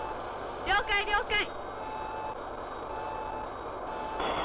了解了解。